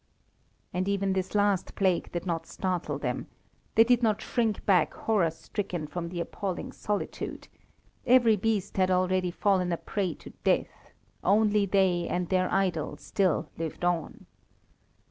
And even this last plague did not startle them; they did not shrink back horror stricken from the appalling solitude; every beast had already fallen a prey to death, only they and their idol still lived on.